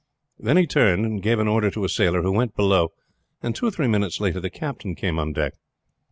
Then he turned, gave an order to a sailor, who went below, and two or three minutes later the captain came on deck.